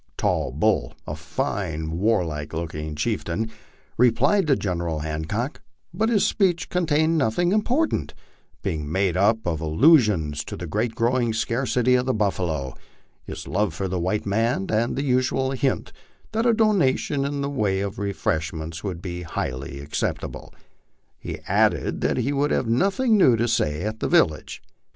Tall Bull, a fine, warlike looking chieftain, replied to General Hancock, but his speech contained nothing important, being made up of allusions to the growing scarcity of the buifalo, his love for the white man, and the usual hint that a donation in the way of refreshments would be highly acceptable ; he added that he would have nothing new to say at the village.